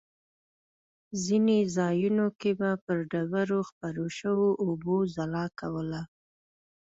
ځینې ځایونو کې به پر ډبرو خپرو شوو اوبو ځلا کوله.